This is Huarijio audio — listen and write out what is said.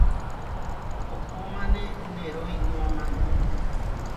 Koʼkómane neroinoamane.